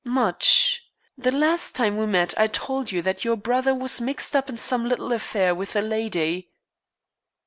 "Much. The last time we met I told you that your brother was mixed up in some little affair with a lady."